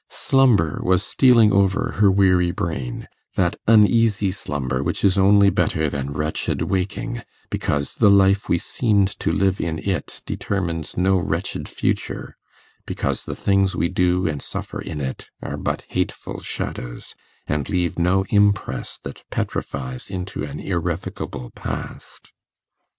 Slumber was stealing over her weary brain: that uneasy slumber which is only better than wretched waking, because the life we seemed to live in it determines no wretched future, because the things we do and suffer in it are but hateful shadows, and leave no impress that petrifies into an irrevocable past.